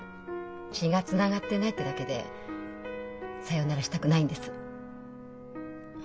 血がつながってないってだけでさよならしたくないんです。